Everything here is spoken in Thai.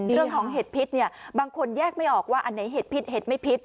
เห็ดพิษเนี่ยบางคนแยกไม่ออกว่าอันไหนเห็ดพิษเห็ดไม่พิษ